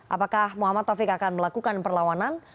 apakah muhammad taufik akan melakukan perlawanan